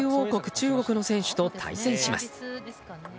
中国の選手と対戦します。